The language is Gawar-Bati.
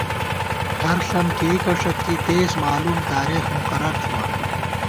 ہر ݪم کېئیکہ ݭَڅی ، دېس مالُوم ، تارېخ مقرر تھِمان